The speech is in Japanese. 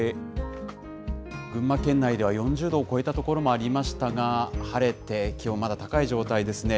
群馬県内では４０度を超えた所もありましたが、晴れて気温まだ高い状態ですね。